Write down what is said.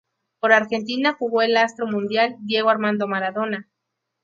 Por Argentina jugó el astro mundial Diego Armando Maradona.